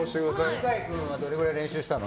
犬飼君はどれくらい練習したの？